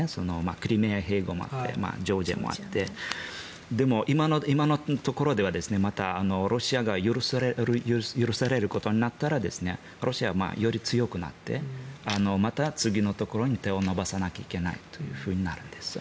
クリミア併合もあってジョージアもあってでも、今のところではまたロシアが許されることになったらロシアはより強くなってまた次のところに手を伸ばさなきゃいけないとなるんです。